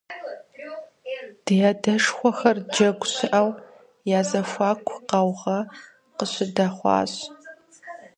Ди адэшхуэхэр джэгу щыӀэу я зэхуаку къаугъэ къыщыдэхъуащ.